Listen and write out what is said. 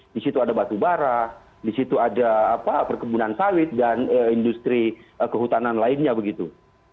di situ ada batu bara di situ ada perkebunan sawit dan industri kehutanan lainnya begitu